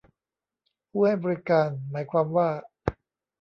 ผู้ให้บริการ หมายความว่า